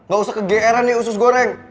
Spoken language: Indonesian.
gak usah ke gran ya usus goreng